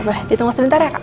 boleh ditunggu sebentar ya kak